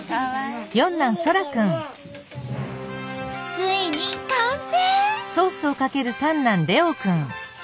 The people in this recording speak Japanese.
ついに完成！